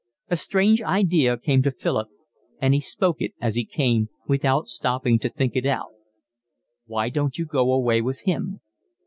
A strange idea came to Philip, and he spoke it as it came, without stopping to think it out. "Why don't you go away with him?"